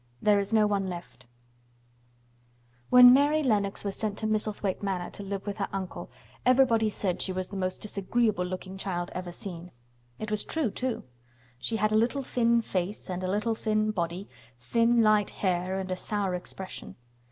THERE IS NO ONE LEFT When Mary Lennox was sent to Misselthwaite Manor to live with her uncle everybody said she was the most disagreeable looking child ever seen. It was true, too. She had a little thin face and a little thin body, thin light hair and a sour expression.